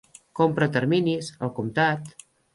Compra a terminis, al comptat.